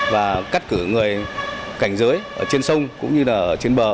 và cắt cử người cảnh dưới trên sông cũng như trên bờ